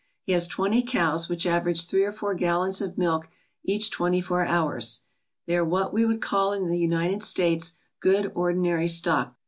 He has twenty cows which average three or four gallons of milk each twenty four hours. They are what we would call in the States good ordinary stock.